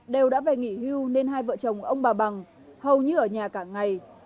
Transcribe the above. đều đã về nghỉ hưu nên hai vợ chồng ông bà bằng hầu như ở nhà cả ngày